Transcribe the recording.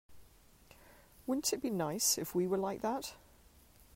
Wouldn't it be nice if we were like that?